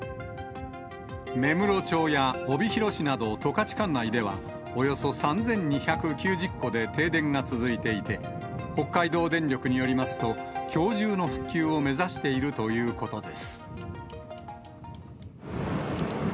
芽室町や帯広市など十勝管内では、およそ３２９０戸で停電が続いていて、北海道電力によりますと、きょう中の復旧を目指しているということです。